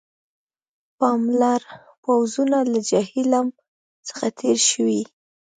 پالمر پوځونه له جیهلم څخه تېر شوي.